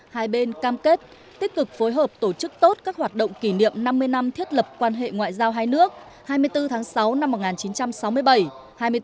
hai bên cam kết tích cực phối hợp tổ chức tốt các hoạt động kỷ niệm năm mươi năm thiết lập quan hệ ngoại giao hai nước hai mươi bốn tháng sáu năm một nghìn chín trăm sáu mươi bảy